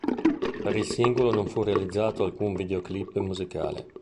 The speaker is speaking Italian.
Per il singolo non fu realizzato alcun videoclip musicale.